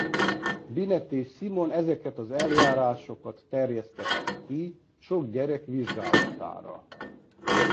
Binet és Simon ezeket az eljárásokat terjesztette ki sok gyerek vizsgálatára.